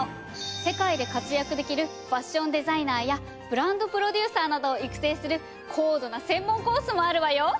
世界で活躍できるファッションデザイナーやブランドプロデューサーなどを育成する高度な専門コースもあるわよ。